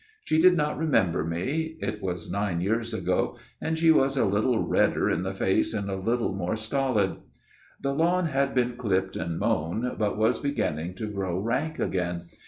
She did not remember me ; it was nine years ago ; and she was a little redder in the face and a little more stolid. " The lawn had been clipped and mown, but was beginning to grow rank again.